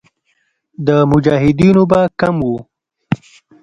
د مجاهدینو به کم وو.